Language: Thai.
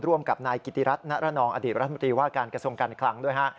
ร่วมกับนายกิติรัฐณรนองอดีตรัฐมนตรีว่าการกระทรวงการคลังด้วยฮะ